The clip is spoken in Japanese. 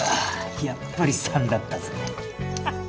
やっぱり３だったぜはははっ。